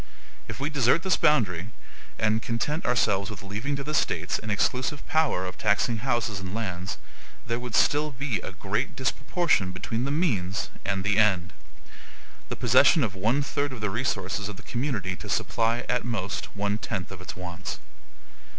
If we desert this boundary and content ourselves with leaving to the States an exclusive power of taxing houses and lands, there would still be a great disproportion between the MEANS and the END; the possession of one third of the resources of the community to supply, at most, one tenth of its wants.